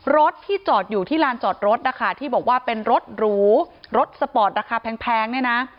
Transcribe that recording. รถที่จอดอยู่ที่ลานจอดรถนะคะที่บอกว่าเป็นรถหรูรถสปอร์ตราคาแพงเนี่ยนะ